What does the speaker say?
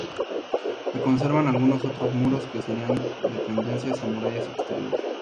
Se conservan algunos otros muros que serían dependencias o murallas exteriores.